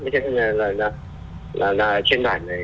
trên đoàn này